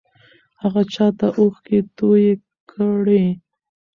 هغه چا ته اوښکې توې کړې؟